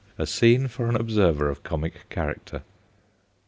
A scene for an observer of comic character.